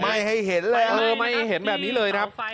ไม่ให้เห็นแล้วคุณไม่ให้เห็นแบบนี้เลยครับ